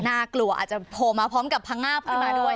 น่ากลัวอาจจะโผล่มาพร้อมกับพังงาบขึ้นมาด้วย